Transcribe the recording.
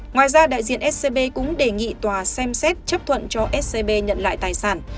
ngoài ra đại diện scb cũng đề nghị tòa xem xét chấp thuận cho scb nhận lại tài sản